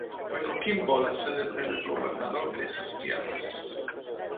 Fue Coquimbo la sede del gobernador de esas tierras.